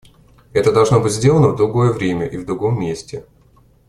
Это должно быть сделано в другое время и в другом месте.